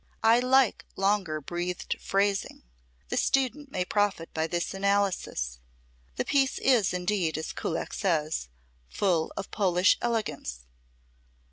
I like longer breathed phrasing. The student may profit by this analysis. The piece is indeed, as Kullak says, "full of Polish elegance."